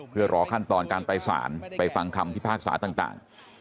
เพื่อรอขั้นตอนการไปสารไปฟังคำที่ภาคศาสตร์ต่าง